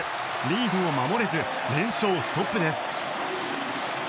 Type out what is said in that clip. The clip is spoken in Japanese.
リードを守れず連勝ストップです。